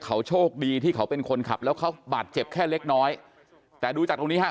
เขาโชคดีที่เขาเป็นคนขับแล้วเขาบาดเจ็บแค่เล็กน้อยแต่ดูจากตรงนี้ฮะ